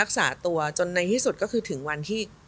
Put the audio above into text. รักษาตัวจนในที่สุดก็คือถึงวันที่